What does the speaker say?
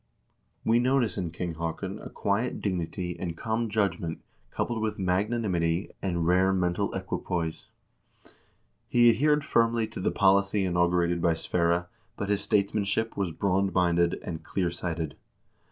We notice in King Haakon a quiet dignity and calm judgment coupled with magnanimity and rare mental equipoise. He adhered firmly to the policy inaugurated by Sverre, but his statesmanship was broad minded and clear sighted.